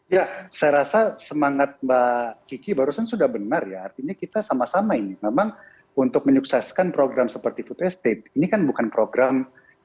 ya saya rasa semangat mbak kiki barusan sudah benar ya artinya kita sama sama ini memang untuk menyukseskan program seperti food estate ini kan bukan program